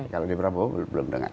kalau di prabowo belum dengar